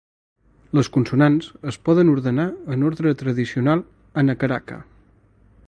Les consonants es poden ordenar en ordre tradicional "hanacaraka".